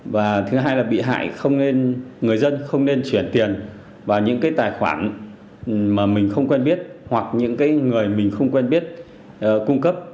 và thứ hai là bị hại không nên người dân không nên chuyển tiền vào những cái tài khoản mà mình không quen biết hoặc những người mình không quen biết cung cấp